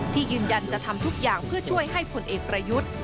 ยืนยันจะทำทุกอย่างเพื่อช่วยให้ผลเอกประยุทธ์